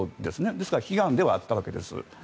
ですから悲願ではあったわけです。